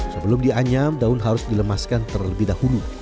sebelum dianyam daun harus dilemaskan terlebih dahulu